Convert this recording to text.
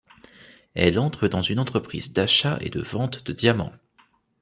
Elle entre dans une entreprise d'achat et de vente de diamants.